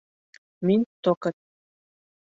Мин токарь